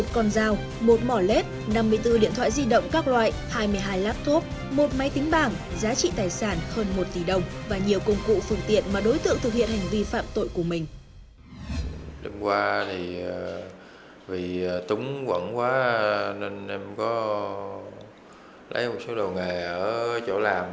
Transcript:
còn giao một mỏ lết năm mươi bốn điện thoại di động các loại hai mươi hai laptop một máy tính bảng giá trị tài sản hơn một tỷ đồng và nhiều công cụ phương tiện mà đối tượng thực hiện hành vi phạm tội của mình